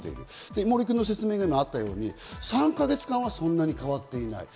森君の説明があったように、３か月間はそんなに変わっていない。